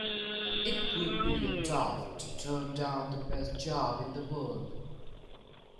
It would be daft to turn down the best job in the world.